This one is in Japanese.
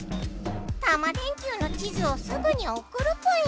タマ電Ｑの地図をすぐにおくるぽよ！